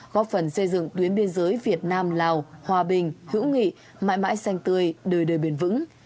góp phần xây dựng tuyến biên giới việt nam lào hòa bình hữu nghị mãi mãi xanh tươi đời đời bền vững